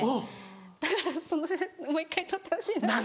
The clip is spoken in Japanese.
だからその写真もう１回撮ってほしいなって。